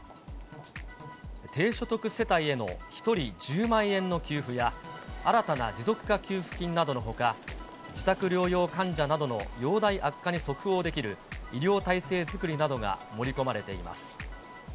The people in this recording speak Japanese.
低所得世帯への１人１０万円の給付や、新たな持続化給付金などのほか、自宅療養患者などの容体悪化に即応できる医療体制作りなどが盛り込まれています。